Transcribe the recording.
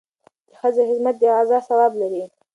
د ښځې خدمت د غزا ثواب لري.